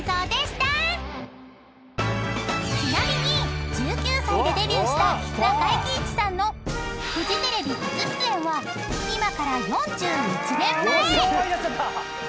［ちなみに１９歳でデビューした中井貴一さんのフジテレビ初出演は今から４１年前！］